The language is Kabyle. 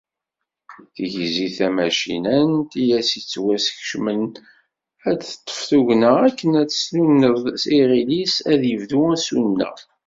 Tigzi tamacinant i as-yettwaskecmen ad d-teṭṭef tugna akken ad tsuneḍ i iɣil-is ad yebdu asuneɣ.